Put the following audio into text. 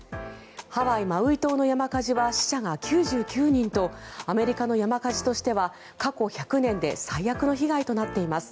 ハワイ・マウイ島の山火事は死者が９９人とアメリカの山火事としては過去１００年で最悪の被害となっています。